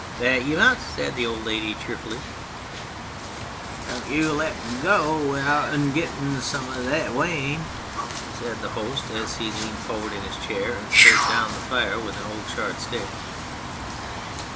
" That ye must," said the old lady cheerfully. " Don't you let un go wi'out gi'ing un some of that wa ine," said the host, as he leaned forward in his chair and stirred the down fire with an old charred stick.